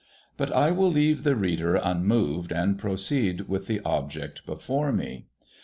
But I will leave the reader unmoved, and proceed with the object before me.